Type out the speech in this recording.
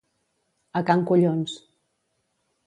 A Can Collons.